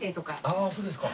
あそうですか。